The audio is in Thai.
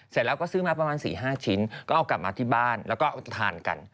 เสร็จแล้วก็ซื้อมาประมาณ๔๕ชิ้นก็เอากลับมาที่บ้านแล้วก็ทานกัน